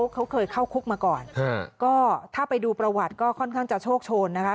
เขาเคยเข้าคุกมาก่อนก็ถ้าไปดูประวัติก็ค่อนข้างจะโชคโชนนะคะ